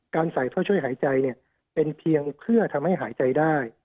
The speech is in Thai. ใส่ผ้าช่วยหายใจเป็นเพียงเพื่อทำให้หายใจได้